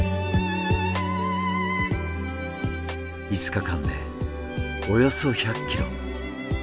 ５日間でおよそ１００キロ。